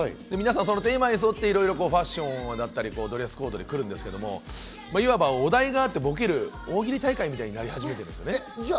テーマに沿っていろいろ、ファッションだったり、ドレスコードで来るんですが、お題があってボケる大喜利大会みたいになり始めてます。